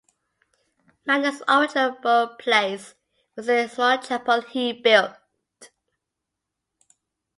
Magnus' original burial place was in the small chapel he built.